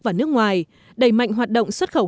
và nước ngoài đẩy mạnh hoạt động xuất khẩu